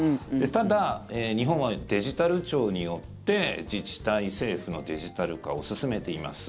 ただ、日本はデジタル庁によって自治体、政府のデジタル化を進めています。